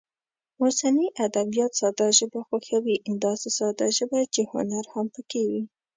اوسني ادبیات ساده ژبه خوښوي، داسې ساده ژبه چې هنر هم پکې وي.